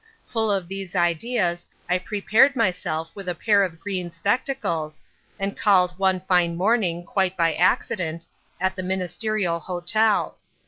"Full of these ideas, I prepared myself with a pair of green spectacles, and called one fine morning, quite by accident, at the Ministerial hotel.